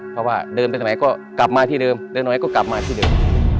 เพราะว่าเดินไปสมัยก็กลับมาที่เดิมเดินไว้ก็กลับมาที่เดิม